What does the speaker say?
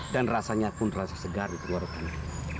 dan rasanya pun rasa segar di tengah tengah